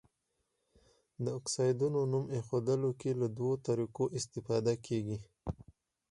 د اکسایډونو نوم ایښودلو کې له دوه طریقو استفاده کیږي.